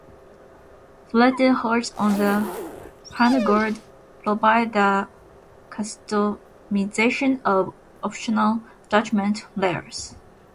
Threaded holes on the handguard provide the customization of optional attachment rails.